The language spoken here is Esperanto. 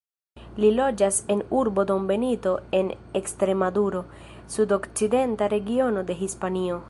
Li loĝas en urbo Don Benito en Ekstremaduro, sudokcidenta regiono de Hispanio.